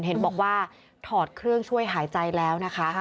เห็นบอกว่าถอดเครื่องช่วยหายใจแล้วนะคะ